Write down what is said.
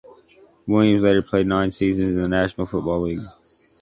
Williams later played nine seasons in the National Football League.